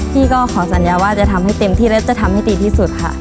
พี่ก็ขอสัญญาว่าจะทำให้เต็มที่และจะทำให้ดีที่สุดค่ะ